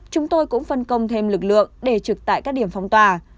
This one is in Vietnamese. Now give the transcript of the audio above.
chúng tôi cũng phân công thêm lực lượng để trực tại các điểm phóng tòa